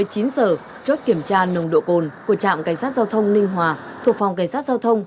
hai mươi chín giờ chốt kiểm tra nồng độ cồn của trạm cảnh sát giao thông ninh hòa thuộc phòng cảnh sát giao thông